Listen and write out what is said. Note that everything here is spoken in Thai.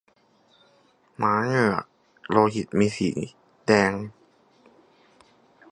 ม้าเหงื่อโลหิต มีสีแดง